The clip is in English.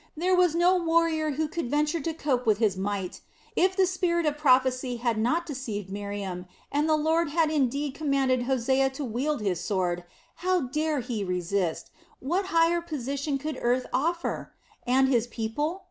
There was no warrior who could venture to cope with His might. If the spirit of prophecy had not deceived Miriam, and the Lord had indeed commanded Hosea to wield His sword, how dared he resist, what higher position could earth offer? And his people?